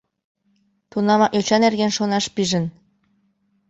— Тунамак йоча нерген шонаш пижын?